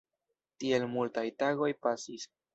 Tiel multaj tagoj pasis.